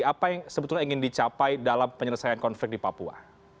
apa yang sebetulnya ingin dicapai dalam penyelesaian konflik di papua